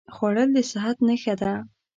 خوړل د صحت نښه ده